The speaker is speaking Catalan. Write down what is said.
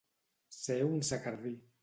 Ser un secardí.